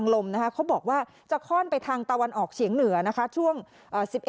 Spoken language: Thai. ลมมันพัดไปทางไหนครับ